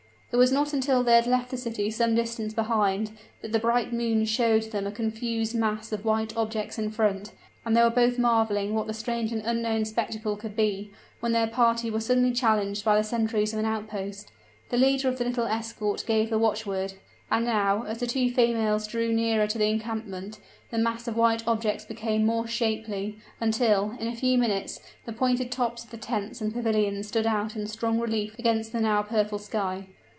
It was not until they had left the city some distance behind, that the bright moon showed them a confused mass of white objects in front; and they were both marveling what the strange and unknown spectacle could be, when their party was suddenly challenged by the sentries of an outpost. The leader of the little escort gave the watchword; and now, as the two females drew nearer to the encampment, the mass of white objects became more shapely, until, in a few minutes, the pointed tops of the tents and pavilions stood out in strong relief against the now purple sky.